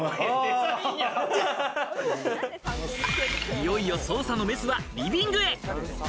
いよいよ捜査のメスはリビングへ。